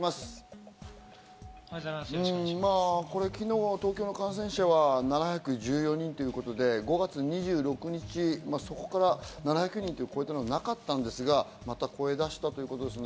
東京の昨日の感染者は７１４人ということで、５月２６日、そこから７００人を超えた日はなかったんですが、また超え出したということですね。